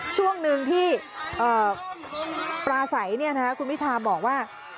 ช่วงหนึ่งที่ปลาใสคุณพิธาบอกว่า